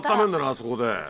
あそこで。